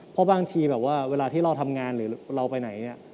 เพราะบางทีแบบว่าเวลาที่เราทำงานหรือเราไปไหน